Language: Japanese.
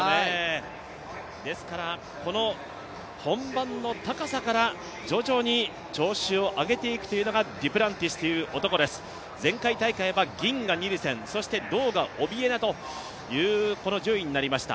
本番の高さから徐々に調子を上げていくというのがデュプランティス選手です、前回大会は銀がニルセン、そして銅がオビエナという順位になりました。